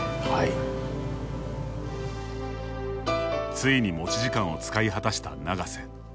ついに持ち時間を使い果たした永瀬。